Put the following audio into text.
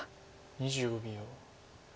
２５秒。